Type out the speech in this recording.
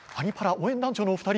応援団長のお二人